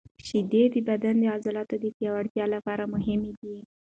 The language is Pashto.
شیدې د بدن د عضلاتو د پیاوړتیا لپاره مهمې دي.